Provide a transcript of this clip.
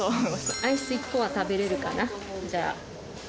アイス１個は食べれるかな？